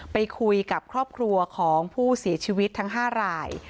ไปคุยกับครอบครัวของผู้เสียชีวิตทั้ง๕ราย